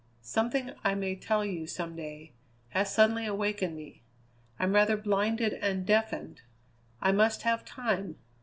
Something, I may tell you some day, has suddenly awakened me. I'm rather blinded and deafened. I must have time.